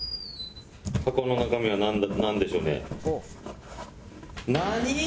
箱の中身はなんでしょね。